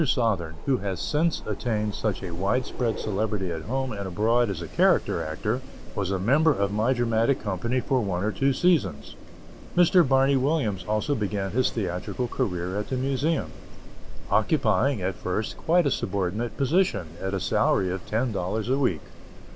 Sothern, who has since attained such wide spread celebrity at home and abroad as a character actor, was a member of my dramatic company for one or two seasons. Mr. Barney Williams also began his theatrical career at the Museum, occupying, at first, quite a subordinate position, at a salary of ten dollars a week.